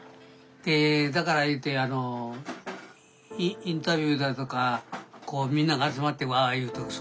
だからいうてあのインタビューだとかこうみんなが集まってわあわあ言うとか